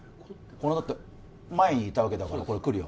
この前にいたわけだからこれくるよ